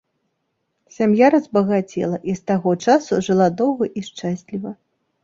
Сям'я разбагацела і з таго часу жыла доўга і шчасліва.